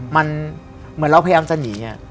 มันเหมือนเราพยายามจะหนี